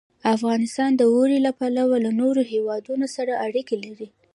افغانستان د اوړي له پلوه له نورو هېوادونو سره اړیکې لري.